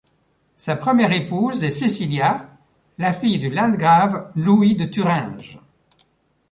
Sa première épouse est Cecilia, la fille du Landgrave Louis de Thuringe.